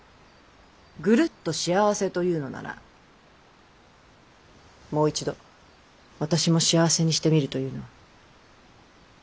ぐるっと幸せというのならもう一度私も幸せにしてみるというのは。